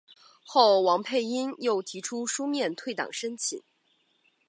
后王佩英又提出书面退党申请。